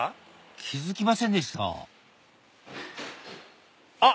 気付きませんでしたあっ！